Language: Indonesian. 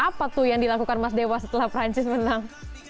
dan apa tuh yang dilakukan mas dewa setelah perancis menang